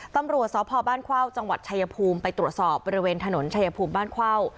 ตำรวจสพบ้านเข้าจังหวัดชายภูมิไปตรวจสอบบริเวณถนนชายภูมิบ้านเข้า